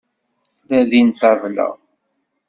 Tella din ṭṭabla.